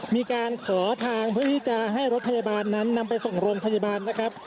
มีการขอทางเพื่อที่จะให้รถพยาบาลนั้นนำไปส่งโรงพยาบาลนะครับ